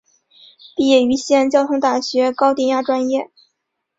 毕业于西安交通大学高电压专业。